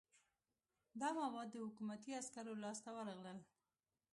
دا مواد د حکومتي عسکرو لاس ته ورغلل.